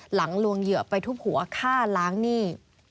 ลวงเหยื่อไปทุบหัวฆ่าล้างหนี้